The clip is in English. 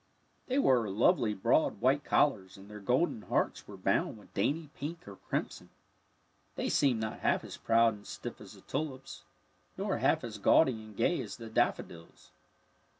They wore lovely broad white collars, and their golden hearts were bound with dainty pink or crimson. They seemed not half as proud and stiff' as the tulips, nor half as gaudy and gay as the daffodils.